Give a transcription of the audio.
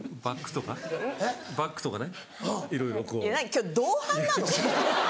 今日同伴なの？